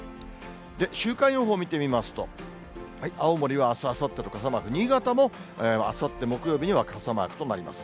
週間予報見てみますと、青森はあす、あさってと傘マーク、新潟もあさって木曜日には傘マークとなります。